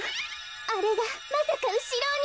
あれがまさかうしろに。